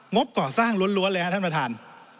บก่อสร้างล้วนเลยครับท่านประธาน